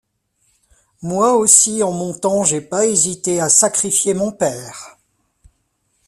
Moi aussi en mon temps j’ai pas hésité à sacrifier mon père...